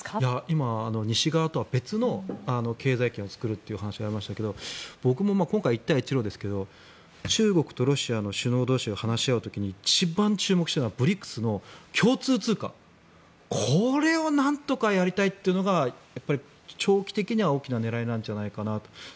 今、西側とは別の経済圏を作るという話がありましたが僕も今回、一帯一路ですが中国とロシアの首脳同士が話し合う時に一番注目しているのはＢＲＩＣＳの共通通貨これをなんとかやりたいというのが長期的には大きな狙いなんじゃないかなと。